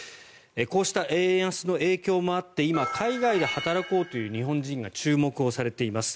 こうした円安の影響もあって今、海外で働こうという日本人が注目をされています。